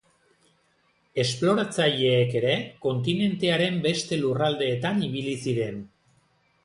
Esploratzaileek ere kontinentearen beste lurraldeetan ibili ziren.